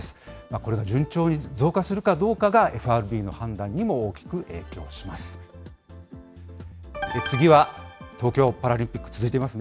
これが順調に増加するかどうかがＦＲＢの判断にも大きく影響します。